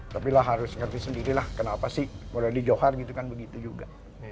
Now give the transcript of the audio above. tapi lah harus ngerti sendirilah kenapa sih model di johar gitu kan begitu juga